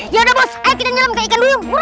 ya udah bos ayo kita nyelem ke ikan duyung